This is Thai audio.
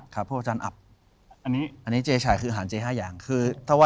ถ้าเว้ยสิ่งนี้ห้ามมีอาหารข่าว